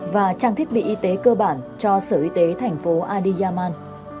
và trang thiết bị y tế cơ bản cho sở y tế thành phố adiyaman